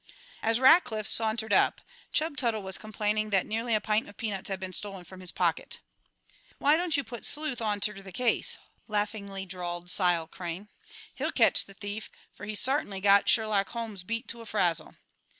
As Rackliff sauntered up Chub Tuttle was complaining that nearly a pint of peanuts had been stolen from his pocket. "Why don't you put Sleuth onter the case?" laughingly drawled Sile Crane. "He'll ketch the thief, for he's sartainly got Sherlock Holmes beat to a frazzle."